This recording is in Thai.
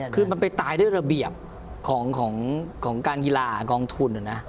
คือมันไปตายด้วยระเบียบของการกีฬากองทุน